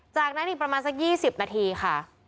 จากนั้นอีกประมาณสัก๒๐นาทีค่ะ